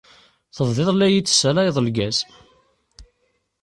Tebdiḍ la iyi-d-tessalayeḍ lgaz.